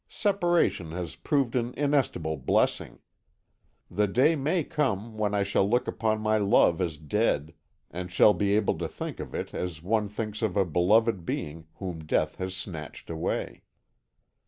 Separation has proved an inestimable blessing. The day may come when I shall look upon my love as dead, and shall be able to think of it as one thinks of a beloved being whom death has snatched away.